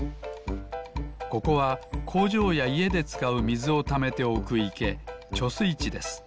ここはこうじょうやいえでつかうみずをためておくいけ「ちょすいち」です。